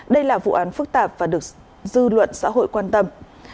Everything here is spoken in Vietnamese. đây là vụ án phức tạp và được dư luận xã hội quan tâm